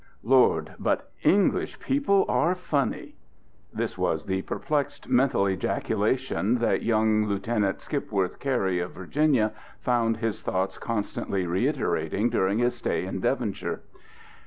"Lord, but English people are funny!" This was the perplexed mental ejaculation that young Lieutenant Skipworth Cary, of Virginia, found his thoughts constantly reiterating during his stay in Devonshire.